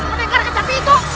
mendengarkan capi itu